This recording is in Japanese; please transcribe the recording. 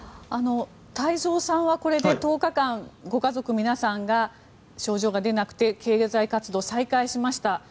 太蔵さんは１０日間ご家族皆さんが症状が出なくて経済活動を再開しました。